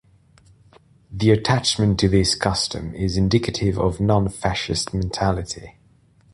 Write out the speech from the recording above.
The attachment to this custom is indicative of non-fascist mentality.